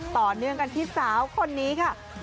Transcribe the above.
ต่อเนื่องกันที่สาวคนนี้ค่ะ